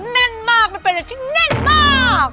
แน่นมากมันเป็นอะไรที่แน่นมาก